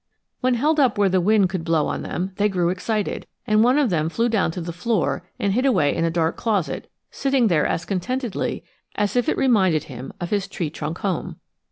When held up where the air could blow on them, they grew excited; and one of them flew down to the floor and hid away in a dark closet, sitting there as contentedly as if it reminded him of his tree trunk home.